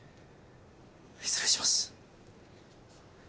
失礼します。